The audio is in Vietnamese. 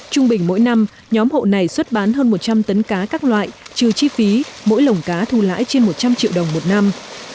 trung bình mỗi năm nhóm hộ này xuất bán hơn một trăm linh tấn cá các loại trừ chi phí mỗi lồng cá thu lãi trên một trăm linh triệu đồng một năm